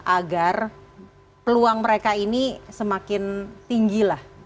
agar peluang mereka ini semakin tinggi lah